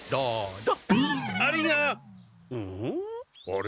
あれ？